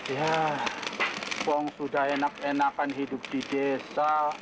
ya pong sudah enak enakan hidup di desa